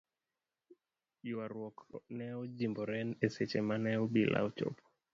Yuaruok ne ojimbore e seche mane obila ochopo.